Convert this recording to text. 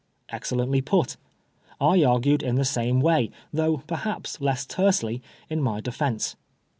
Excellently put. I argued in the same way, though perhaps less tersely, in my defence.